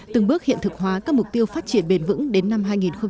từng bước hiện thực hóa các mục tiêu phát triển bền vững đến năm hai nghìn ba mươi